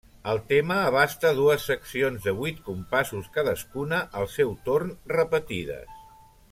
El tema abasta dues seccions de vuit compassos cadascuna, al seu torn repetides.